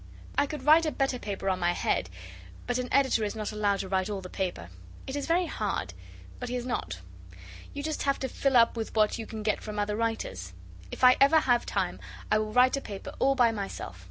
I could write a better paper on my head, but an editor is not allowed to write all the paper. It is very hard, but he is not. You just have to fill up with what you can get from other writers. If I ever have time I will write a paper all by myself.